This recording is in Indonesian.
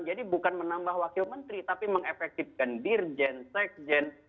jadi bukan menambah wakil menteri tapi mengefektifkan dirjen sekjen